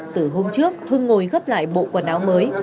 từ hôm trước hưng ngồi gấp lại bộ quần áo mới